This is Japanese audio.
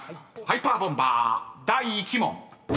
ハイパーボンバー第１問］